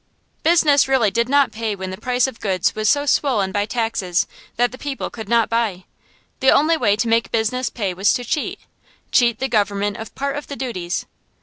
Business really did not pay when the price of goods was so swollen by taxes that the people could not buy. The only way to make business pay was to cheat cheat the Government of part of the duties.